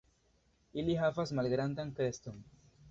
Ili havas malgrandan kreston.